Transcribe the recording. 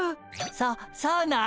そそうなん？